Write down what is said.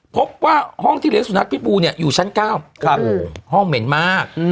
พบว่าห้องที่เลี้ยสุนัขพิษบูเนี่ยอยู่ชั้น๙ห้องเหม็นมาก